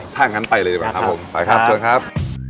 ถ้าอย่างงั้นไปเลยนะครับผมครับไปครับชวนครับ